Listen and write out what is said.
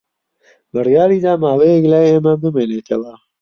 بڕیاری دا ماوەیەک لای ئێمە بمێنێتەوە.